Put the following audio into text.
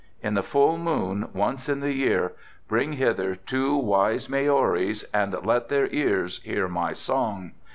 In the full moon, once in the year, bring hither two wise Maoris and let their ears hear my song.